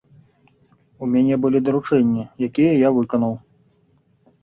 У мяне былі даручэнні, якія я выканаў.